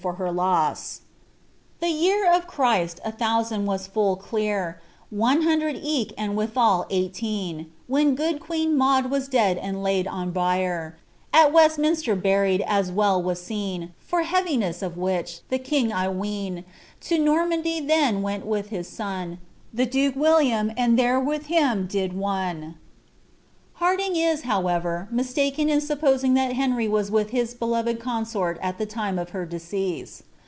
IIS *The yenr of Christ a thousand was full clear, One hondred eke and therevrithal eighteen, Whea good queen Maude was dead and laid on bieri At Westmiiiater buryed, as well was seen; For heaviness of which, the king I ween, To Normandy then went with his son, The doke William, and there with him did won. •e is, however, mistaken in supposing that Henry was with his msort at the time of her decease.